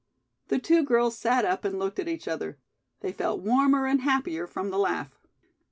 The two girls sat up and looked at each other. They felt warmer and happier from the laugh.